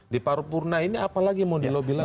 di paru purna ini apalagi mau di lobby lagi